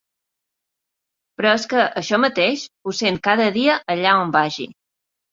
Però és que això mateix ho sento cada dia allà on vagi.